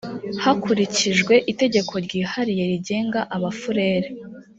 hakurikijwe itegeko ryihariye rigenga abafurere